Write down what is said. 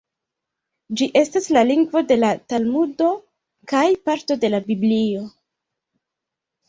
Ĝi estas la lingvo de la Talmudo kaj parto de la Biblio.